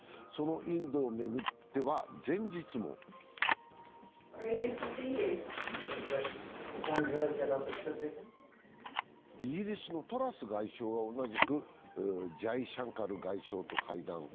そのインドを巡っては前日もイギリスのトラス外相が同じくジャイシャンカル外相と会談。